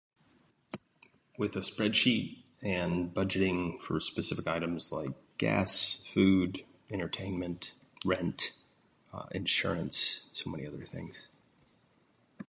With a spreadsheet and budgeting for specific items like gas, food, entertainment, rent, insurance so many other things